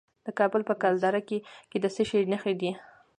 د کابل په ګلدره کې د څه شي نښې دي؟